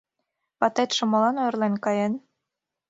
Ватетше молан ойырлен каен?